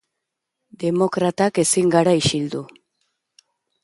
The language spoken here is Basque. Demokratak ezin gara isildu.